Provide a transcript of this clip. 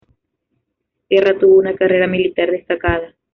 Guerra tuvo una carrera militar destacada.